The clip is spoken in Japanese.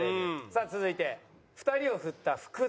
さあ続いて２人をフッた福田。